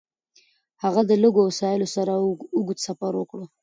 هغه د لږو وسایلو سره اوږد سفر وکړ.